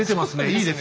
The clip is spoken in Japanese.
いいです。